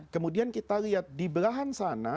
kemudian kita lihat di belahan sana